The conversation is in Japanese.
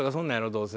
どうせ。